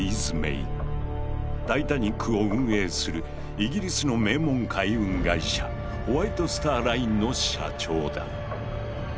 タイタニックを運営するイギリスの名門海運会社ホワイト・スター・ラインの社長だ。